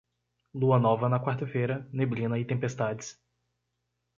Lua nova na quarta-feira, neblina e tempestades.